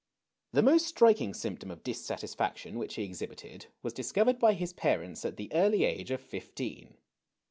The most striking symptom of dissatisfaction which he exhibited was discovered by his parents at the early age of fifteen.